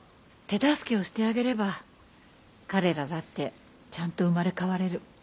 手助けをしてあげれば彼らだってちゃんと生まれ変われる。